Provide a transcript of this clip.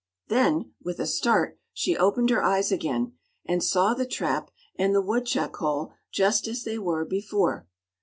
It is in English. Then, with a start, she opened her eyes again, and saw the trap and the woodchuck hole just as they were before.